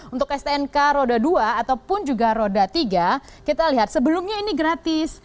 untuk stnk roda dua ataupun juga roda tiga kita lihat sebelumnya ini gratis